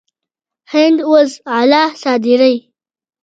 هند اوس غله صادروي.